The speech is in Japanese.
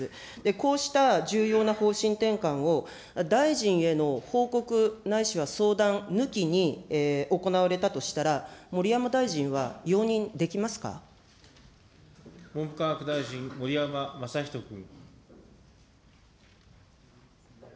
こうした重要な方針転換を、大臣への報告、ないしは相談抜きに、行われたとしたら、盛山大臣は容文部科学大臣、盛山正仁君。